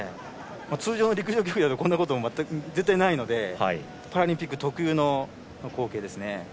通常の陸上競技だとこんなこと絶対ないのでパラリンピック特有の光景ですね。